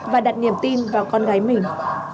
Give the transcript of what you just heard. và đặt niềm tin vào con gái mình